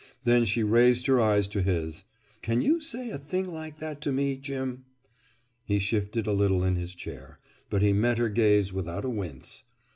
Then she raised her eyes to his. "Can you say a thing like that to me, Jim?" He shifted a little in his chair. But he met her gaze without a wince.